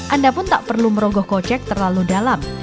anda pun tak perlu merogoh kocek terlalu dalam